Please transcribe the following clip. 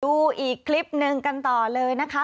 ดูอีกคลิปหนึ่งกันต่อเลยนะคะ